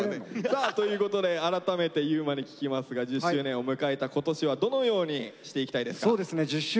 さあということで改めて優馬に聞きますが１０周年を迎えた今年はどのようにしていきたいですか？